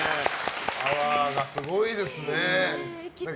パワーがすごいですね。